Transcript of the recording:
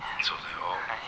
そうだよ。